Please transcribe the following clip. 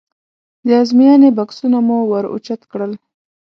د ازموینې بکسونه مو ور اوچت کړل.